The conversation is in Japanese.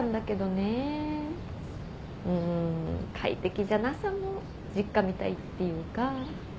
うん快適じゃなさも実家みたいっていうか。